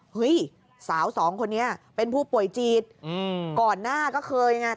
เฮ้ยสาวสองคนนี้เป็นผู้ป่วยจีดอืมก่อนหน้าก็เคยอย่างเงี้ย